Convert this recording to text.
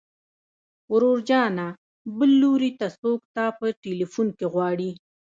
ورور جانه بل لوري ته څوک تا په ټليفون کې غواړي.